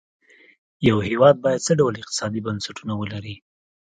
یو هېواد باید څه ډول اقتصادي بنسټونه ولري.